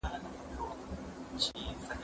که وخت وي، پوښتنه کوم،